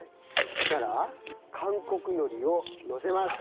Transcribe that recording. そしたら韓国海苔をのせます。